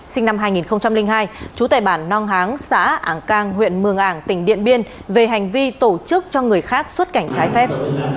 sinh năm hai nghìn hai trú tại bản nong háng xã ảng cang huyện mường ảng tỉnh điện biên về hành vi tổ chức cho người khác xuất cảnh trái phép